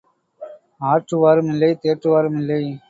ஆற்றுவாரும் இல்லை தேற்றுவாரும் இல்லை.